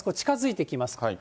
近づいてきます。